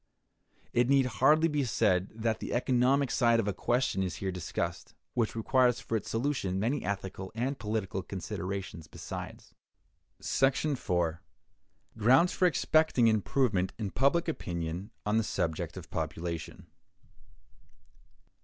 It need hardly be said that the economic side of a question is here discussed, which requires for its solution many ethical and political considerations besides. § 4. Grounds for Expecting Improvement in Public Opinion on the Subject of Population.